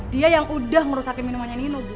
dia yang udah merusak minuman nino bu